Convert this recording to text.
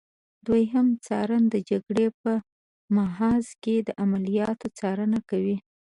دوهم څارن د جګړې په محاذ کې د عملیاتو څارنه کوي.